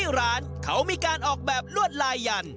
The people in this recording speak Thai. ร้านเขามีการออกแบบลวดลายยัน